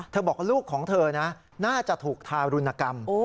บอกลูกของเธอนะน่าจะถูกทารุณกรรม